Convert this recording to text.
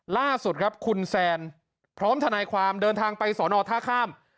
ล่าสุดครับคุณแซนพร้อมทนายความเดินทางไปสอนอท่าข้าม